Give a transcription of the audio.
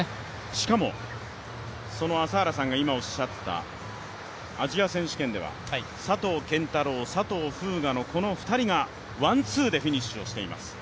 しかもその朝原さんがおっしゃったアジア選手権では佐藤拳太郎、佐藤風雅の２人がワンツーでフィニッシュをしています。